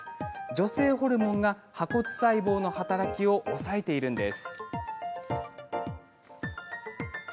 女性ホルモンが破骨細胞の働きを抑えているのです。